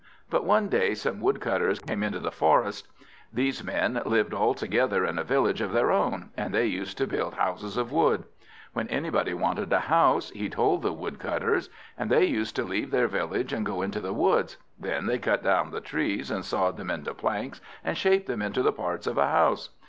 But one day some Woodcutters came into the forest. These men lived all together in a village of their own, and they used to build houses of wood. When anybody wanted a house, he told the Woodcutters, and they used to leave their village and go into the woods. Then they cut down the trees, and sawed them into planks, and shaped them into the parts of a house.